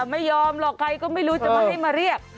ไม่ยอมหรอกใครก็ไม่รู้จะมาให้มาเรียก